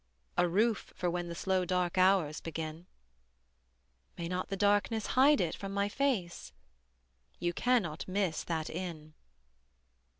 A roof for when the slow dark hours begin. May not the darkness hide it from my face? You cannot miss that inn.